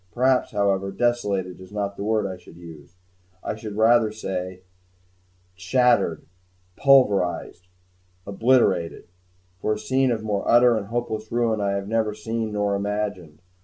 Perhaps, however, "desolated" is not the word I should use; I should say, rather, "shattered, pulverized, obliterated," for a scene of more utter and hopeless ruin I have never seen nor imagined.